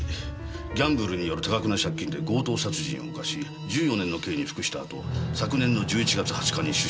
ギャンブルによる多額の借金で強盗殺人を犯し１４年の刑に服した後昨年の１１月２０日に出所しています。